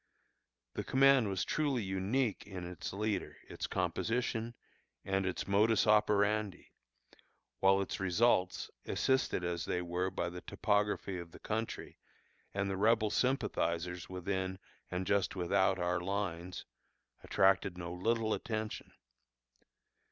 The command was truly unique in its leader, its composition, and its modus operandi, while its results, assisted as they were by the topography of the country, and the Rebel sympathizers within and just without our lines, attracted no little attention.